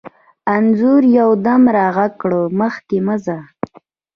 انځور یو دم را غږ کړ: مخکې مه ځه.